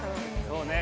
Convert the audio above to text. そうね。